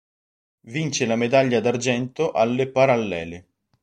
Vince la medaglia d'argento alle parallele.